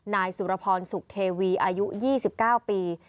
นายสุรพรสุธิทำิดอายุ๒๙ปี